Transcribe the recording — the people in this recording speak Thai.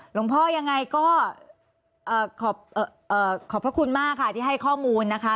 หลวงพ่อยังไงก็ขอบพระคุณมากค่ะที่ให้ข้อมูลนะคะ